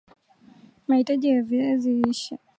mahitaji ya viazi lishe